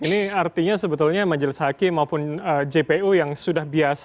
ini artinya sebetulnya majelis hakim maupun jpu yang sudah berbohong mereka tidak bisa berbohong